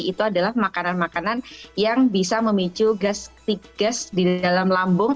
itu adalah makanan makanan yang bisa memicu gas gas di dalam lambung